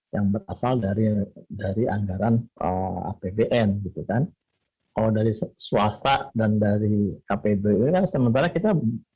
yang berasal dari dari anggaran apbn gitu kan kalau dari swasta dan dari kpbu kan sementara kita